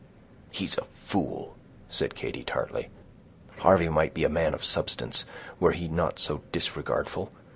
"He's a fool!" said Katy tartly. "Harvey might be a man of substance, were he not so disregardful.